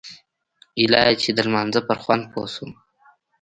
ايله چې د لمانځه پر خوند پوه سوم.